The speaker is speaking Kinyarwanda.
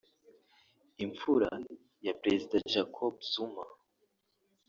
Imfura ya Perezida Jacob Zuma